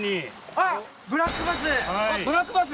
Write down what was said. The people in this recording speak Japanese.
あっブラックバス！